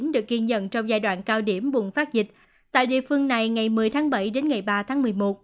được ghi nhận trong giai đoạn cao điểm bùng phát dịch tại địa phương này ngày một mươi tháng bảy đến ngày ba tháng một mươi một